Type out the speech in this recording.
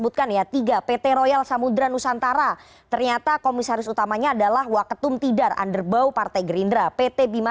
dalam konteks ini gitu